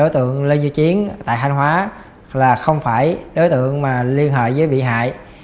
đối tượng lê như chiến tại khanh hóa là không phải đối tượng mà liên hợi với bị hại